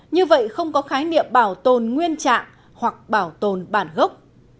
như vậy không có khái niệm bảo tồn nguyên trạng hoặc bảo tồn bản gốc